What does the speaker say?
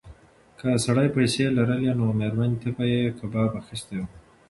که سړي پیسې لرلای نو مېرمنې ته به یې کباب اخیستی و.